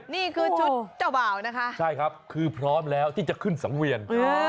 นี่คือชุดเจ้าบ่าวนะคะใช่ครับคือพร้อมแล้วที่จะขึ้นสังเวียน